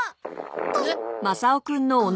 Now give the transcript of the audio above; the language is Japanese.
あっ。